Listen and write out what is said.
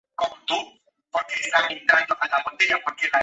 Llegó a ostentar el grado de oficial.